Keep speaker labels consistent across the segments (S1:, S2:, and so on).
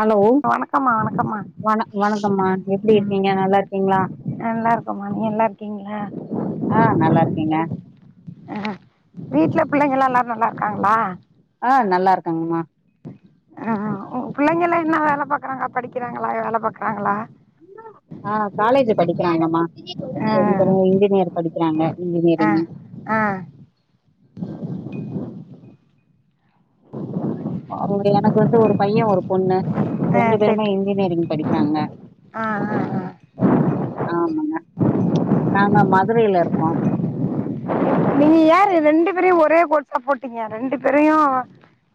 S1: Hello
S2: வணக்கம்மா வணக்கம்மா
S1: வண வணக்கம்மா எப்டி
S2: ம்
S1: இருக்கீங்க நல்லா இருக்கீங்களா
S2: ம் நல்லார்க்கோமா நீங்க நல்லார்க்கீங்ளா
S1: ஆ நல்லார்க்கேங்க
S2: ஆ வீட்ல பிள்ளைங்கல்லா எல்லாரு நல்லா இருக்காங்ளா
S1: ஆ நல்லாருக்காங்மா
S2: ஆ உ பிள்ளைங்கல்லா என்ன வேல பாக்கறாங்க படிக்கிறாங்களா இல்ல வேல பாக்கறாங்களா
S1: ஆ காலேஜு படிக்கிறாங்கமா
S2: ஆ
S1: ரெண்டு பேருமே இன்ஜினியர் படிக்கிறாங்க
S2: ஆ
S1: இன்ஜினியரிங்கு
S2: ஆ
S1: இங்க எனக்கு வந்து ஒரு பைய ஒரு பொண்ணு
S2: ஆ
S1: ரெண்டு பேருமே
S2: சரி
S1: இன்ஜினியரிங் படிக்கிறாங்க
S2: ஆ ஆ ஆ
S1: ஆமாங்க நாங்க மதுரைல இருக்கோ
S2: நீங்க ஏரு ரெண்டு பேரையு ஒரே கோர்ஸா போட்டீங்க ரெண்டு பேரையு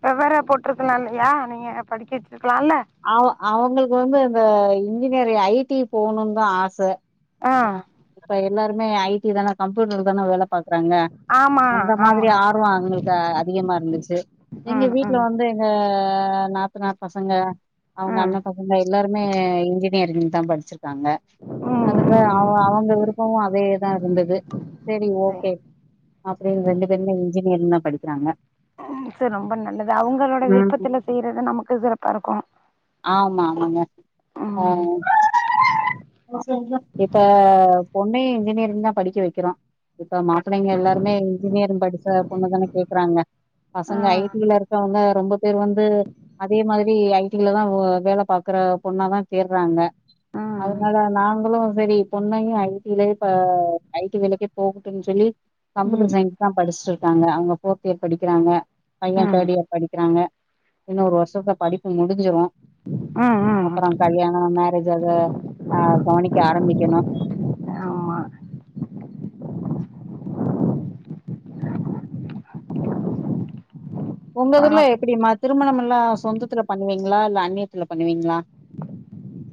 S2: வெவ்வேற போட்ருக்கலா இல்லயா நீங்க படிக்க வெச்சிருக்கலால்ல
S1: அவ அவங்கள்க் வந்து அந்த இன்ஜினியரு ஐ டி போணுந்தா ஆச ஆ இப்ப எல்லாருமே ஐ டி தான கம்ப்யூட்டருக்கு வேல பாக்றாங்க
S2: ஆமா
S1: அந்த
S2: ஆமா
S1: மாதிரி ஆர்வோ அவுங்கள்க்கு அதிகமா இருந்துச்சு எங்க
S2: ம் ம்
S1: வீட்ல
S2: ம்
S1: வந்து ஆ நாத்துனார் பசங்க அவங்க
S2: ம்
S1: அண்ண பசங்க எல்லாருமே இன்ஜினியரிங் தா படிச்சிருக்காங்க அதுங்க
S2: ம்
S1: அவ
S2: ம்
S1: அவங்க விருப்பமு அதேதா இருந்தது செரி
S2: சரி
S1: ஓகே அப்டியே இவுங்க ரெண்டு பேருமே இன்ஜினியரிங் தா படிக்கிறாங்க
S2: ம் செரி ரொம்ப நல்லது அவங்களோட
S1: ம்
S2: விருப்பத்துல செய்யறது நமக்கு சிறப்பா இருக்கு
S1: ஆமா ஆமாங்க
S2: ம்
S1: ஆமாங் [inaudible] இப்ப பொண்ணயு இன்ஜினியரிங் தா படிக்க வெக்கறோ இப்ப மாப்பிள்ளைங்க எல்லாருமே இன்ஜினியரிங் படிச்ச பொண்ணுதான கேக்கறாங்க
S2: ஆ
S1: பசங்க ஐ டி ல இருக்கவங்க ரொம்ப பேர் வந்து அதே மாதிரி ஐ டி லதா ஒ வேல பாக்கற பொண்ணதா தேட்றாங்க
S2: ஆ ம்
S1: அதனால நாங்களு செரி பொண்ணயு ஐ டி லயே இப்ப ஐ டி வேலைக்கே போகட்டுன் சொல்லி கம்ப்யூட்டர்
S2: ம்
S1: சய்ன் தா படிச்ட்டு இருக்காங்க அவங்க ஃபோர்த் இயர் படிக்கிறாங்க பையே
S2: ம்
S1: தேர்ட் இயர் படிக்கிறாங்க இன்னொரு வருஷத்துல படிப்பு முடிஞ்சிரு
S2: ம்
S1: அப்புறோ கல்யாணோ மேரேஜ் அத ஆ கவனிக்க ஆரம்பிக்கணு
S2: ஆமா
S1: உங்க
S2: அப்புறோ
S1: ஊர்ல எப்டிமா திருமணமெல்லா சொந்தத்துல பண்ணுவீங்களா இல்ல அன்னியத்துல பண்ணுவீங்களா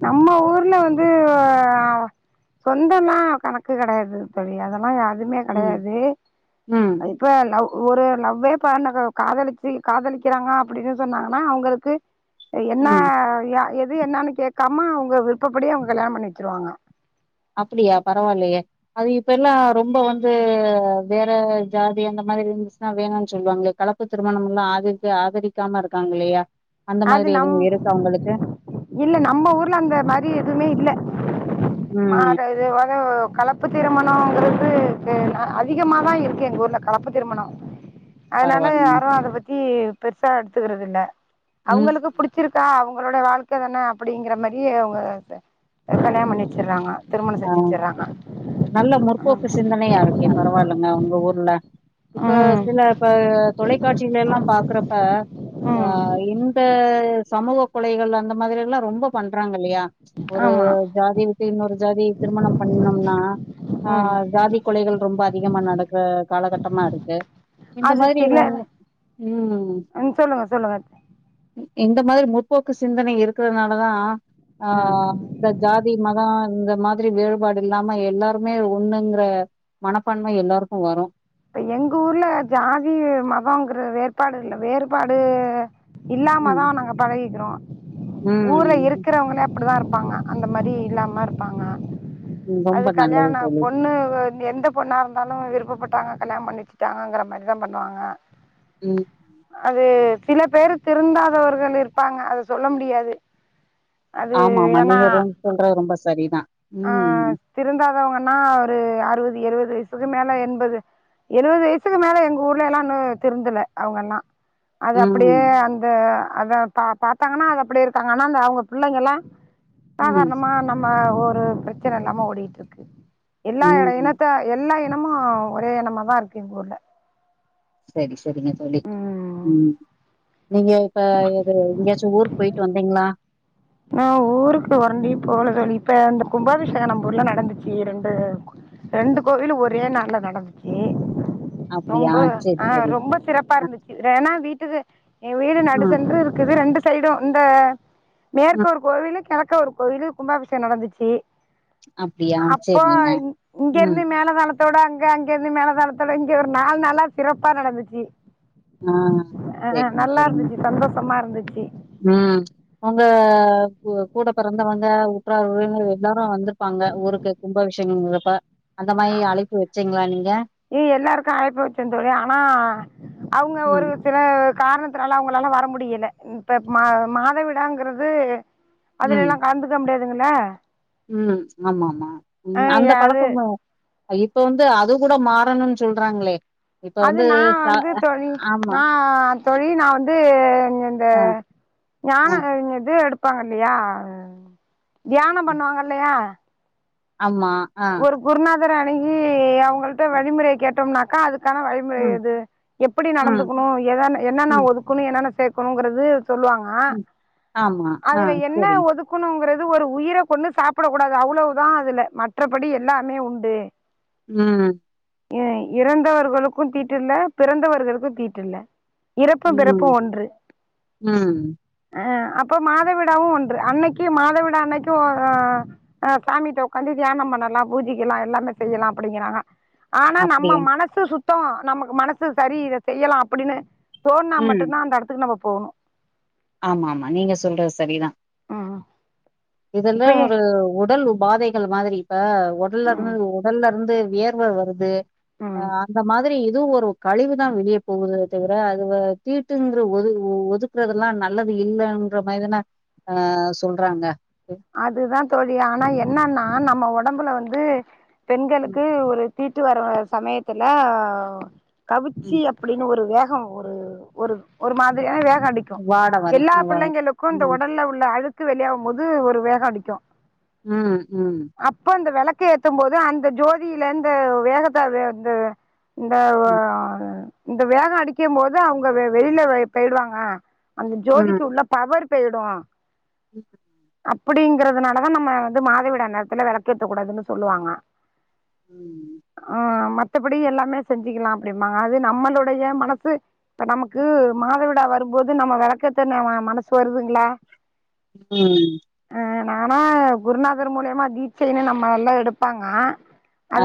S2: நம்ம ஊர்ல வந்து ஆ சொந்தல்லா கணக்கு கிடையாது தோழி அதெல்லா எதுமே
S1: ம்
S2: கிடையாது
S1: ம்
S2: இப்போ லவ் ஒரு லவ்வே பன்னக காதலிச்சி காதலிக்கிறாங்க அப்டின்னு சொன்னாங்கன்னா அவங்களுக்கு என்னா
S1: ம்
S2: எது என்னானு கேக்காம அவங்க விருப்பப்படியே அவங்க கல்யாணோ பண்ணி வச்சுருவாங்க
S1: அப்பிடியா பரவால்லயே அது இப்பல்லா ரொம்ப வந்து வேற ஜாதி அந்த மாரி இருந்துச்சுனா வேணான்னு சொல்லுவாங்கள கலப் பு திருமணம்ல்லா ஆதரிக்க ஆதரிக்காம இருக்காங்கல்லயா அந்த
S2: அது
S1: மாரி
S2: நம்
S1: எதுவு இருக்கா அவங்களுக்கு
S2: இல்ல நம்ம ஊர்ல அந்த மாரி எதுவுமே இல்ல
S1: ம்
S2: மாடு இது அது கலப் கலப்பு திருமணோங்கிறது அதிகமாதா இருக்கு எங்க ஊர்ல கலப்பு திருமணம் அதனால
S1: பரவாயில்லைங்க
S2: யாரு அத பத்தி பெருசா எடுத்துக்கிறது இல்ல
S1: ம்
S2: அவங்களுக்கு புடிச் ச்சிருக்கா அவங்களோட வாழ்க்க தானே அப்படிங்கிற மாரியே அவங்க கல்யாணோ பண்ணி வச்சுறாங்க
S1: ஆ நல்ல முற்போக்கு சிந்தனையா இருக்கே பரவாயில்லைங்க உங்க ஊர்ல இப்ப
S2: ம் ம்
S1: சில இப்ப தொ தொலைக்காட்சிகள்ளளா பாக்குறப்ப ஆ
S2: ம்
S1: இந்த சமூக கொலைகள் அந்த மாதிரில்லா ரொம்ப பண்றாங்க இல்லயா ஒரு
S2: ஆமாம்
S1: ஜாதி விட்டு இன்னொரு ஜாதி திருமணம் பண்ணோம்னா ஆ
S2: ம்
S1: ஜாதி கொலைகள் ரொம்ப அதிகமா நடக்குற காலகட்டமா இருக்கு இந்த
S2: அது
S1: மாதிரி வருவாங்ளா உம்
S2: சொல்லுங்க சொல்லுங்க
S1: இந்த மாரி முற்போக்கு சிந்தனை இருக்கிறதுனால தா அ
S2: ம்
S1: இந்த ஜாதி மதோ இந்த மாதிரி வேறுபாடு இல்லாம எல்லாருமே ஒண்ணுங்கிற மனப்பான்மை எல்லாருக்கு வரு
S2: இப்ப எங்க ஊர்ல ஜாதி மதம்ங்கிற வேறுபாடு இல்ல வேறுபாடு
S1: ம்
S2: இல்லாமதா நாங்க பழகிக்கிறோ ஊர்ல
S1: ம்
S2: இருக்கிறவங்களே அப்டிதா இருப்பாங்க அந்த மாரி இல்லாம இருப்பாங்க
S1: ம், ரொம்ப
S2: அது
S1: நல்லது
S2: கல்யாணோ
S1: தோழி
S2: பொண்ணு எந்த பொண்ணா இருந்தாலு விருப்பப்பட்டாங்க கல்யாணோ பண்ணி வச்சுட்டாங்கங்கிற மாதிரிதா பண்ணுவாங்க
S1: உம்
S2: அது சில பேரு திருந்தாதவர்கள் இருப்பாங்க அத சொல்ல முடியாது அது
S1: ஆமா ஆமா
S2: ஏனா
S1: நீங்க ரொம் சொல்றது ரொம்ப சரிதா
S2: ஆ
S1: ம்
S2: திருந்தாதவங்கனா ஒரு அறுபது எழுபது வயசுக்கு மேல எண்பது எழுவது வயசுக்கு மேல எங்க ஊர்லல்லா இன்னு திருந்தல அவங்கல்லா அது அப்டியே
S1: ம்
S2: அந்த அத பா பாத்தாங்கனா அது அப்டியே இருக்காங்க ஆனா அந்த அவங்க பிள்ளைங்கல்லா
S1: ம்
S2: சாதாரணமா நம்ம ஒரு பிரச்சன இல்லாம ஓடிட்டு இருக்கு என்னா
S1: ம்
S2: என்னத்த எல்லா இனமு ஒரே இனமாதா இருக்கு எங்கூர்ல
S1: சரி சரிங்க தோழி
S2: ம்
S1: உம் நீங்க இப்ப எது எங்கேயாச்சு ஊருக்கு போய்ட்டு வந்தீங்ளா
S2: நா ஊருக்கு உரண்டியு போல தோழி இப்ப இந்த கும்பாபிஷேக நம்பூர்ல நடந்துச்சு ரெண்டு ரெண்டு கோவிலு ஒரே நாள்ல நடந்துச்சு
S1: அப்டியா
S2: ரொம்ப
S1: சரி
S2: ஆஹ்
S1: சரி
S2: ரொம்ப சிறப்பா
S1: ஆ
S2: இருந்துச்சு ரேனா வீட்டுக்கு எ வீடு நடு
S1: ம்
S2: சென்று இருக்குது ரெண்டு சைடு இந்த மேற்க
S1: ம்
S2: ஒரு கோவிலு கெழக்க ஒரு கோவிலு கும்பாபிஷேகோ நடந்துச்சு
S1: அப்டியா
S2: அப்போ
S1: சரிங்க
S2: இங்க
S1: ம்
S2: இருந்தே மேல தாள தோட அங்க அங்க இருந்து மேலதாளத்தோட இங்க ஒரு நாலு நாளா சிறப்பா நடந்துச்சு
S1: ஆ
S2: அ
S1: சரிங்க
S2: நல்லா
S1: சரிங்க
S2: இருந்துச்சு சந்தோஷமா இருந்துச்சு
S1: ம் உங்க கு கூட பிறந்தவங்க உற்றார் உறவினர்கள் எல்லாரு வந்திருப்பாங்க ஊருக்கு கும்பாபிஷேகங்கிறப்ப அந்த மாரி அழைப்பு வெச்சீங்களா நீங்க
S2: ஏ எல்லாருக்கு அழைப்பு வச்சே தோழி ஆனா அவுங்க ஒரு
S1: ம்.
S2: சில காரணத்துனால அவுங்களால வர முடியல இப்ப மா மாதவிடாங்கிறது அதுல
S1: ம்.
S2: எல்லா கலந்துக்க முடியாதுங்கள்ல
S1: ம் ஆமா ஆமா ம் அந்த
S2: அது
S1: பழக்கம்தா அ இப்ப வந்து அது கூட மாறணுன் சொல்றாங்களே இப்ப
S2: அது
S1: வந்து
S2: நா
S1: ச
S2: வந்து தோழி
S1: ஆமா.
S2: நா தோழி நா வந்து இந்த
S1: அ,
S2: ஞான
S1: அ,
S2: இது எடுப் பாங்க இல்லையா தியானம்
S1: ம்.
S2: பண்ணுவாங்க இல்லையா
S1: ஆமா ஆ.
S2: ஒரு குருநாதர அணுகி அவங்கள்ட வழிமுறையை கேட்டோம்னாக்கா அதுக் க்கான
S1: ம்.
S2: வழிமுறையது எப்டி
S1: ம்.
S2: நடந்துக்கணு எதென்ன என்னன்ன
S1: ம்.
S2: ஒதுக் கணு என்னன்ன சேக்கணுங்கிறது சொல்லுவாங்க
S1: ம். ஆமா. ஆ
S2: அதுல என்ன
S1: சரி.
S2: ஒதுக் குனுங்கிறது ஒரு உயிரை கொண்ணு சாப்டக் கூடாது அவ்ளவுதா அதுல மத் மற்றபடி எல்லாமே உண்டு
S1: ம்
S2: ம் இறந்தவர்களுக்கு தீட்டில்ல பிறந்தவர்களுக்கு தீட்டில்ல இறப்பு பிறப்பு
S1: ம்.
S2: ஒன்று
S1: ம்.
S2: அ அப்போ மாதவிடாவு ஒன்று அன்னைக்கி மாதவிடா அன்னைக்கு அ ஆ சாமிட்ட உக்காந்து தியானம் பண்ணலா பூஜிக்கலா எல்லாமே செய்யலா அப்டிங்கிறாங்க ஆனா நம்ம
S1: அப்படியா?
S2: மன சு சுத்தோ நமக்கு மனசு சரி இதை செய்யலா அப்டினு தோண்ணா மட்டு தா அந்த இடத்துக்கு நம்மப் போணு
S1: ஆமா ஆமா நீங்க சொல்றது சரிதா
S2: ம் ம்
S1: இதெல்லா
S2: இப்பயே
S1: ஒரு உடல் பாதைகள் மாதிரி இப்பா உடல்லருந்து
S2: ம்
S1: உடல்ல இருந்து வியர் வே வருது ஆ
S2: ம்
S1: அந்த மாதிரி இதுவு ஒரு கழிவு தா வெளியே போகுதே தவிர அது தீட்டுங்கிற ஒது ஒதுக்குறதெல்லா நல்லது இல்லன் றமாரிதானா ஆ சொல்றாங்க
S2: அதுதா தோழி ஆனா என்னன்னா நம்ம உடம்புல வந்து
S1: ம்,
S2: பெண்களுக்கு ஒரு தீட்டு வர சமயத்துல
S1: ம்.
S2: கவிச்சிய அப்டின்னு ஒரு வேகம் ஒரு ஒரு ஒரு மாதிரியான வேகோ அடிக் க்கு
S1: வாட மாரி.
S2: எல்லா
S1: வா
S2: புள்ளைங்களுக்கு இந்த
S1: ம்,
S2: உடல்ல உள்ள அழுக்கு வெளியாவு போது ஒரு வேகோ அடிக்கு
S1: ம் ம்
S2: அப்ப அந்த விளக்க ஏத்து போது அந்த ஜோதியிலந்து வேகத்த அது அந்த இந்த
S1: ம்,
S2: இந்த வேகம் அடிக்கு போது அவுங்க வெளியில போயிடுவாங்க அந்த ஜோதிக்கு உள்ள பவர் போயிடு
S1: கேக்குது
S2: அப்படிங்கிறதுனாலதா நம்ம வந்து மாதவிடா நேரத்துல வெளக்கேத்த கூடாதுன்னு சொல்லுவாங்க
S1: ம்,
S2: ஆமா மத்தபடி எல்லாமே செஞ்சுக்கலா அப்படிபாங்க அது நம்மளுடைய மனசு இப்ப நமக்கு மாதவிடா வரும்போது நம்ம வெளக்கேத்த ந ம மனசு வருதுங்களா
S1: ம்
S2: அ நானா குருநாதர் மூலியமா கீச்செய்னு நம்ம எல்லா எடுப்பாங்க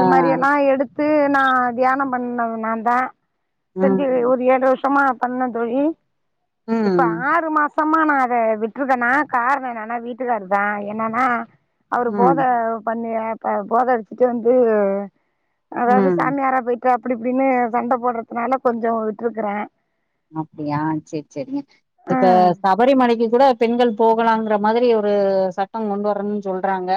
S1: ஆ,
S2: மாரி எல்லா எடுத்து நா தியானம் பண்ணது நான்தா செஞ்சு
S1: ம்,
S2: ஒரு ஏழு வருஷமா பண்ண தோழி இப்ப
S1: ம்,
S2: ஆறு மா சமா நா அத விட்டுருக்கனா காரனோ என்னானா வீட்டுக்காரு தா என்னன்னா அவரு போத
S1: ம்,
S2: பண்ணி ப போத அடிச்சுட்டு வந்து அதாவது
S1: ம்.
S2: சாமியாரா போயி க்க அப்டி இப்டின்னு சண்ட போடுறதுனால கொஞ்சோ விட்ருக்குற
S1: அப்படியா சேரி சேரிங்க
S2: ஆ
S1: இப்ப சபரிமலைக்கு கூட பெண்கள் போகலாங்கற மாதிரி ஒரு சட்டம் கொண்டு வரன்னு சொல்றாங்க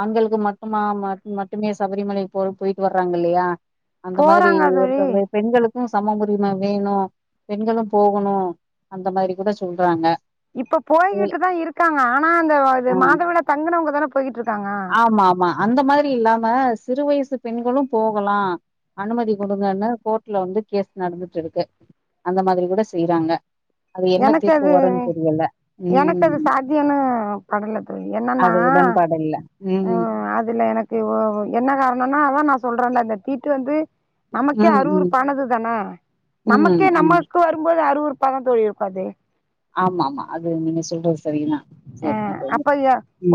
S1: ஆண்களுக்கு மட்டுமா மட் மட்டுமே சபரிமலை போ போயிட்டு வர்றாங்க இல்லையா அந்த மாதிரி
S2: போறாங்க தோழி
S1: இருக்கூட பெண்களுக் கு சம உரிமை வேணு பெண்களு போகணு அந்த மாதிரி கூட சொல்றாங்க
S2: இப்ப
S1: இது
S2: போய்கிட்டு தா இருக்காங்க ஆனா அந்த அது
S1: ஆ
S2: மாதவிடா தங்கனவங்க தான போய்கிட்ருக்கறாங்க
S1: ஆமா ஆமா அந்த மாதிரி இல்லாம சிறு வயசு பெண்களும் போகலா அனுமதி குடுங்கன்னு கோட்ட்ல வந்து கேஸ் நடந்துட்டு இருக்கு அந்த மாரி கூட செய்றாங்க
S2: எனக்கு அது எனக்கு அது
S1: ம்
S2: சாத்தியனு படல என்னன்னா
S1: அது உடன்பாடு இல்ல
S2: ம் அதுல எனக் இப்ப ஒ ஒ என்ன காரனோனா அதா நா சொல்றல இந்த தீட்டு வந்து நமக்கே
S1: ம்
S2: அறுவுறு
S1: ம்
S2: பானது தானே
S1: ம்
S2: நமக்கே
S1: ம்
S2: நமக்கு வரும்போது அறுவறுப்ப தா தோழி இருக்கு அது
S1: ஆமா ஆமா அது நீங்க சொல்றது சரி தா
S2: அ அப்ப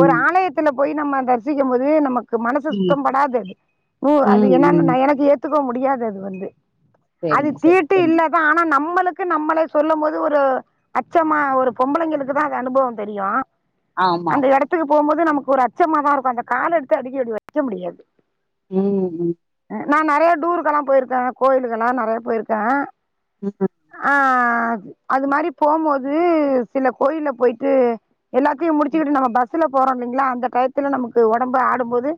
S2: ஒரு ஆலயத் துல போய் நம்ம தரிசிக்கும் மோது நமக்கு மனசு
S1: ம்
S2: சுத்தம் படாதது ட்ரூ அது
S1: ம் ம்
S2: என்னனு எனக்கு ஏ ஏத்துக்க முடியாது அது வந்து அது
S1: சரிங்க சரி
S2: தீட்டு
S1: சரிங்க
S2: இல்ல தா ஆனா நம்மளுக்கு நம்மளே சொல்லும் போது ஒரு அச்சமா ஒரு பொம்பளைங்களுக்கு தா அனுபவோ தெரியு
S1: ஆமா
S2: அந்த
S1: ஆமா
S2: எடத்த துக்கு போம்போது நமக்கு ஒரு அச்சமாதா இருக்கு அந்த கால எடுத்து அடிக்க அடி வைக்க முடியாது
S1: ம் ம்
S2: நா நறைய டூருக்கெல்லா போயிருக்க கோயிலுக்கள்லா நறைய போயிருக்க
S1: ம்
S2: ஆ அது மாரி போம்போது சில கோயில்ல போயிட்டு எல்லாத்தையும்
S1: ம்
S2: முடிச்சுக்கிட்டு நம்ம பஸ்ல போறோ இல்லைங்களா அந்த கழுத்துல நமக்கு ஒடம்பு ஆடும்போது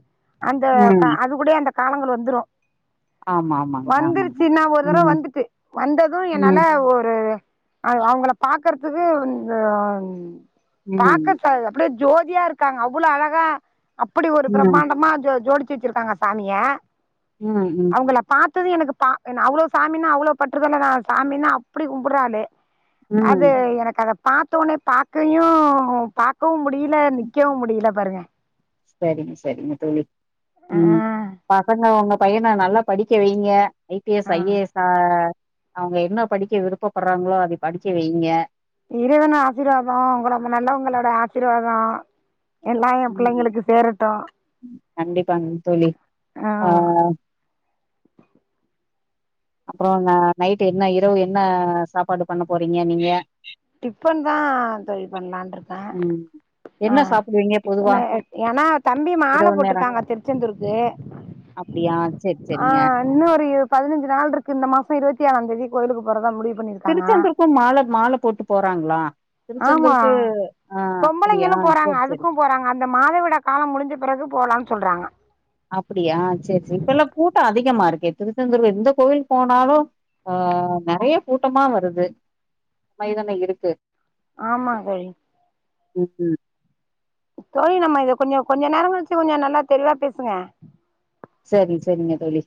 S2: அந்த க
S1: ம்
S2: அது கூடயே அந்த காலங்கள் வந்துரு
S1: ஆமா ஆமாங்க ஆமாங்க
S2: வந்துருச்சுனா ஒரு தடவ
S1: ம்
S2: வந்துட்டு வந்தது என்னால
S1: ம்
S2: ஒரு அது அவுங்கள பாக்கறதுக்கு
S1: ம்
S2: பாக்க அப்படியே ஜோதியா இருக்காங்க அவ்ளோ அழகா அப்படி ஒரு
S1: ம்
S2: பிரம்மாண்டமா ஜோ ஜோடிச்சு வச்சிருக்காங்க சாமிய
S1: ம் ம்
S2: அவுங்கள பாத்தது எனக்கு பா அவ்ளோ சாமினா அவ்ளோ பட்டுறதலா நா சாமினா அப்படி கும்பட்ற ஆளு அது
S1: ம்
S2: எனக்கு அத பாத்தோனே பாகையு பா க்கவு முடியல நிக்கவு முடியல பாருங்க
S1: சரிங்க சரிங்க தோழி
S2: ஆ
S1: ம் பசங்க உங்க பையன நல்லா படிக்க வைங்க ஐ பி எஸ்
S2: ஆ
S1: ஐ ஏ எஸ்ஸா அவங்க என்ன படிக்க விருப்பப்படுறாங்களோ அதை படிக்க வெய்ங்க
S2: இறைவனோட ஆசிர்வாத உங்களமா நல்லவங்களோட ஆசிர்வாத எல்லா எம்
S1: ம்
S2: பிள்ளைங்களுக்கு சேரட்டு
S1: கண்டிப்பாங்க தோழி
S2: ஆ
S1: அப்பறோ ந நைட் என்ன இரவு என்ன சாப்பாடு பண்ண போறிங்க நீங்க
S2: டிபன்தா தோழி பண்லான்ட்ருக்க
S1: ம் என்ன சாப்புடுவிங்க
S2: டிபனு ஏனா தம்பி மால
S1: நேரோ
S2: போட்ருக்காங்க திருச்செந்தூருக்கு
S1: அப்டியா செரி
S2: ஆ
S1: செரிங்க
S2: இன்னு ஒரு பதினஞ்சு நாள் இருக்கு இந்த மாச இருபத்தி ஆறாந் தேதி கோயிலுக்கு போறதா முடிவு பண்ணிருக்காங்க
S1: திருச்செந்தூருக்கு மால மால போட்டு போறாங்களா
S2: ஆமா
S1: திருச்செந்தூருக்கு ஆ அப்பிடியா
S2: பொம்பளைங்களு போறாங்க
S1: சேர் செரி
S2: அதுக்கு போறாங்க அந்த மாதவிடா காலம் முடிஞ்ச பிறகு போலான் சொல்றாங்க
S1: அப்பிடியா சேர் சேர் இப்பல்லா கூட்ட அதிகமா இருக்கே திருச்செந்தூர் எந்த கோவில் போனாலு ஆ நெறைய கூட்டமா வருது மைதான இருக்கு
S2: ஆமா தோழி
S1: ம் ம்
S2: தோழி நம்ம இத கொஞ்சொ கொஞ்ச நேரங் கழிச்சு கொஞ்சோ நல்லா தெளிவா பேசுங்க
S1: செரி செரிங்க தோழி